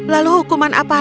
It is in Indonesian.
lalu hukuman apalahnya